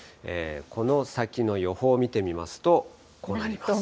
この先の予報見てみますとこうなります。